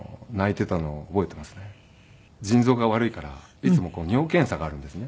腎臓が悪いからいつも尿検査があるんですね。